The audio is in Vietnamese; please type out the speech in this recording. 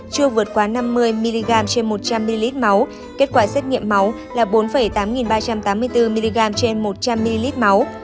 chưa vượt quá năm mươi mg trên một trăm linh ml máu kết quả xét nghiệm máu là bốn tám ba trăm tám mươi bốn mg trên một trăm linh ml máu